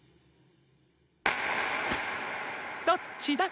どっちだ？